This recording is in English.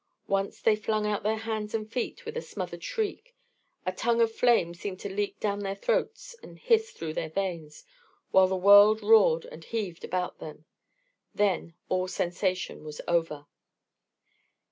Once they flung out their hands and feet with a smothered shriek. A tongue of flame seemed to leap down their throats and hiss through their veins, while the world roared and heaved about them. Then all sensation was over.